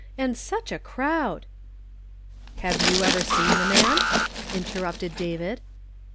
And such a crowd !" "Have you ever seen the man?" mterrupted David.